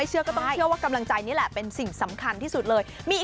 เชื่อก็ต้องเชื่อว่ากำลังใจนี่แหละเป็นสิ่งสำคัญที่สุดเลยมี